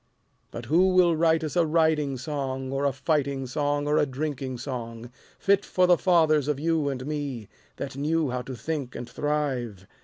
But who will write us a riding song Or a fighting song or a drinking song, Fit for the fathers of you and me, That knew how to think and thrive?